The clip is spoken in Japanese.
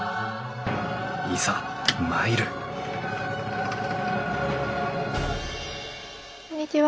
いざ参るこんにちは。